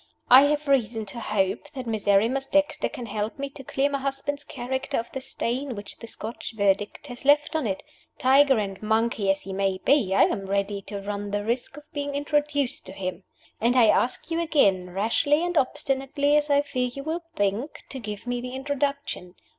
"I have reason to hope that Miserrimus Dexter can help me to clear my husband's character of the stain which the Scotch Verdict has left on it. Tiger and monkey as he may be, I am ready to run the risk of being introduced to him. And I ask you again rashly and obstinately as I fear you will think to give me the introduction.